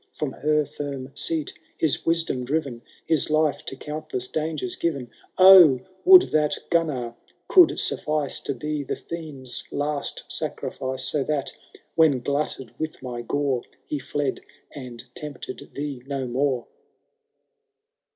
From her firm seat his wisdom driven, HiB life to countless dangers given.— O ! would that Gunnar could suffice To be the fiend^s last sacrifice. So that, when glutted with my gore. He fled and tempted thee no more